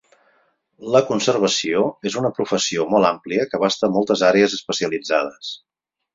La conservació és una professió molt àmplia que abasta moltes àrees especialitzades.